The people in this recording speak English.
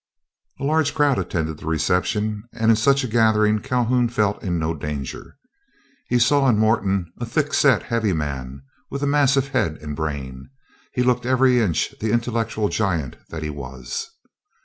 A large crowd attended the reception, and in such a gathering Calhoun felt in no danger. He saw in Morton a thickset, heavy man with a massive head and brain. He looked every inch the intellectual giant that he was.